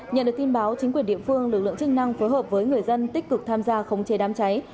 nhận được tin báo chính quyền địa phương lực lượng chức năng phối hợp với người dân tích cực tham gia khống chế đám cháy